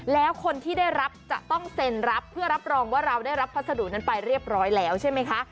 แล้วคนที่ได้รับจะต้องเซ็นรับเพื่อรับรองว่าเราได้รับพัสดุนั้นไปเรียบร้อยแล้วใช่ไหมคะ